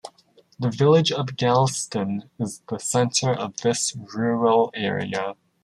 The village of Galston is the centre of this rural area.